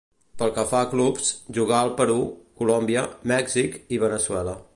Pel que fa a clubs, jugà al Perú, Colòmbia, Mèxic i Veneçuela.